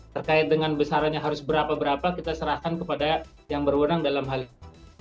terkait dengan besarannya harus berapa berapa kita serahkan kepada yang berwenang dalam hal ini